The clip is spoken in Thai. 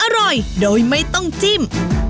อร่อยโดยไม่ต้องจิ้ม